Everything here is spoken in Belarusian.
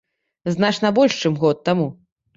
Значна больш, чым год таму.